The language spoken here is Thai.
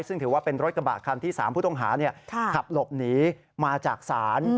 ซึ่งถือว่าเป็นรถกระบะคันที่๓ผู้ต้องหาขับหลบหนีมาจากศาล